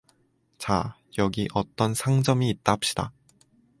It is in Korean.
자, 여기 어떤 상점이 있다 합시다.